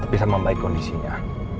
bisa membaik kondisinya